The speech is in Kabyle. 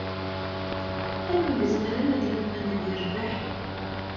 Anwa ay izemren ad yeḍmen ad yerbeḥ?